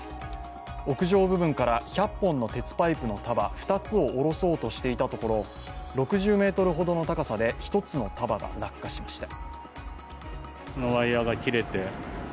屋上部分から１００本の鉄パイプの束２つを下ろそうとしていたところ、６０ｍほどの高さで１つの束が落下しました。